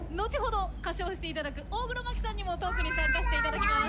歌唱して頂く大黒摩季さんにもトークに参加して頂きます。